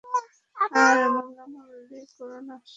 আর মুলামুলি করো না!